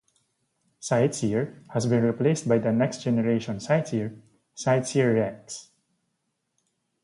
CiteSeer has been replaced by the Next Generation CiteSeer, CiteSeerX.